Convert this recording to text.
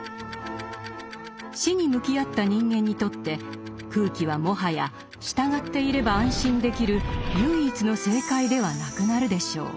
「死」に向き合った人間にとって「空気」はもはや従っていれば安心できる唯一の正解ではなくなるでしょう。